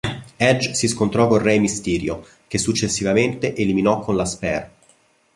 Edge si scontrò con Rey Mysterio, che successivamente eliminò con la "spear".